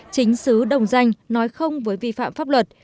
chính xứ đồng danh nói không với vi phạm pháp luật